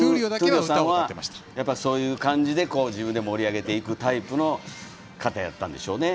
闘莉王さんはそういう感じで盛り上げていくタイプの方やったんでしょうね。